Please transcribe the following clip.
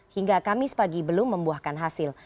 hingga kami sepagi belum membuahkan hasil